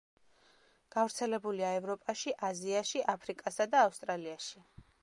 გავრცელებულია ევროპაში, აზიაში, აფრიკასა და ავსტრალიაში.